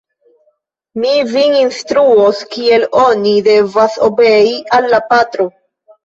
Mi vin instruos, kiel oni devas obei al la patro!